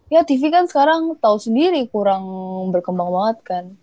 ya tv kan sekarang tahu sendiri kurang berkembang banget kan